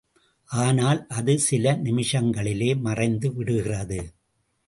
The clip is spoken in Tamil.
ஆனால் அது சில நிமிஷங்களிலே மறைந்து விடுகிறது.